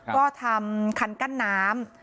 ก็ทำคันกั้นน้ำ